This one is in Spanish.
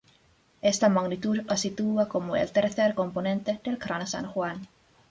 Esta magnitud la sitúa como el tercer componente del Gran San Juan.